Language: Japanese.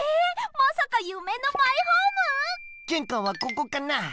まさかゆめのマイホーム⁉げんかんはここかな？